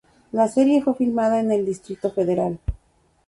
La serie fue filmada en el Distrito Federal.